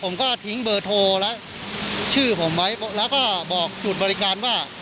ผมก็ทิ้งเบอร์โทรและชื่อผมไว้แล้วก็บอกจุดบริการว่า